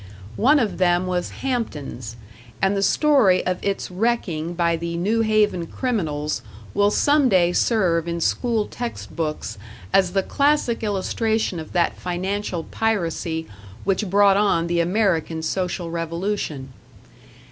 One of them was Hampton's, and the story of its wrecking by the New Haven criminals will some day serve in school text books as the classic illustration of that financial piracy which brought on the American social revolution.